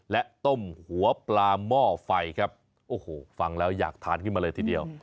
และต้มหัวปลาหม้อไฟครับโอ้โหฟังแล้วอยากทานขึ้นมาเลยทีเดียว